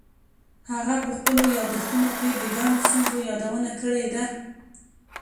هغه په خپلو یادښتونو کې د ګڼو ستونزو یادونه کړې ده.